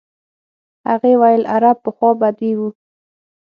هغې ویل عرب پخوا بدوي وو.